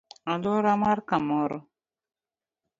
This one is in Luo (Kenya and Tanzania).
Aluora mar kamoro;